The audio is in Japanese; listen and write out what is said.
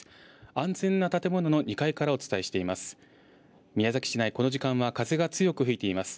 安全な建物の２階からお伝えしています。